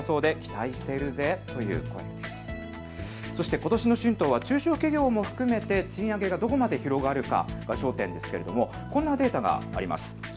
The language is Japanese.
ことしの春闘は中小企業も含めて賃上げがどこまで広がるのかが焦点ですがこんなデータがあります。